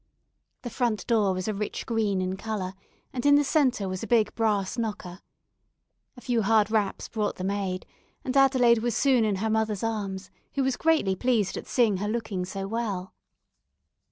The front door was a rich green in colour and in the centre was a big brass knocker. A few hard raps brought the maid, and Adelaide was soon in her mother's arms, who was greatly pleased at seeing her looking so well.